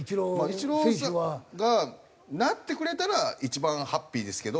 イチローさんがなってくれたら一番ハッピーですけど。